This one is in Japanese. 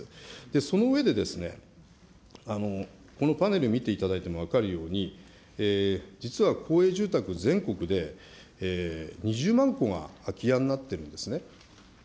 そのうえでですね、このパネル見ていただいても分かるように、実は公営住宅、全国で２０万戸が空き家になってるんですね。